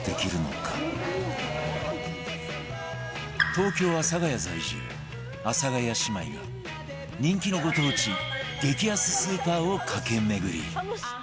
東京阿佐ヶ谷在住阿佐ヶ谷姉妹が人気のご当地激安スーパーを駆け巡り